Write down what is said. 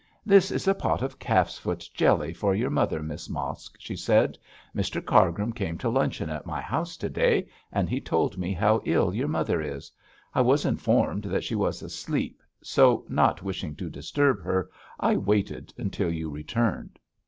'This is a pot of calf's foot jelly for your mother, Miss Mosk,' she said. 'Mr Cargrim came to luncheon at my house to day, and he told me how ill your mother is. I was informed that she was asleep, so, not wishing to disturb her, I waited until you returned.'